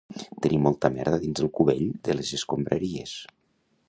Tenir molta merda dins el cubell de les escombraries.